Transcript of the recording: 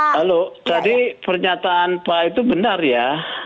halo tadi pernyataan pak itu benar ya